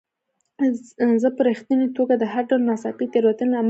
زه په رښتینې توګه د هر ډول ناڅاپي تېروتنې له امله بخښنه غواړم.